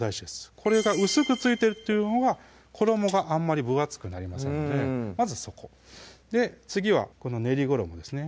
これが薄くついてるっていうのが衣があんまり分厚くなりませんのでまずそこ次はこの練り衣ですね